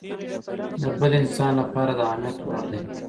د بل انسان لپاره د اهميت وړ دی.